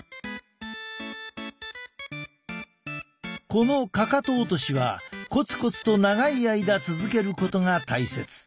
このかかと落としはこつこつと長い間続けることが大切。